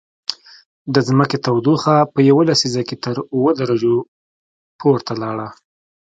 د ځمکې تودوخه په یوه لسیزه کې تر اووه درجو پورته لاړه